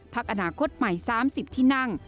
อนาคตใหม่๓๐ที่นั่ง